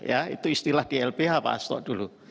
ya itu istilah di lbh pak hasto dulu